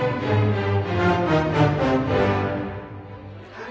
はい。